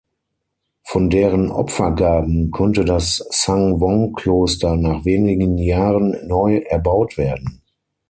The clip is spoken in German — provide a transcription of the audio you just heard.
Von deren Opfergaben konnte das Sang-Won Kloster nach wenigen Jahren neu erbaut werden.